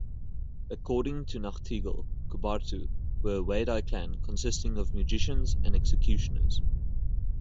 According to Nachtigal, "Kubartu" were a Wadai clan consisting of musicians and executioners.